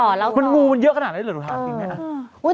มันงูมันเยอะขนาดนี้เลยหนูถามจริงไหม